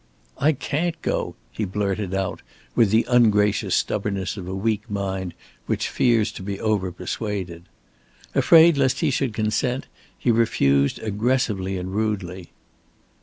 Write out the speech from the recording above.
"I can't go," he blurted out, with the ungracious stubbornness of a weak mind which fears to be over persuaded. Afraid lest he should consent, he refused aggressively and rudely.